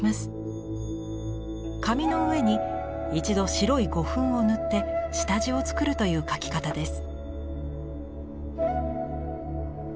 紙の上に一度白い胡粉を塗って下地を作るという描き方です。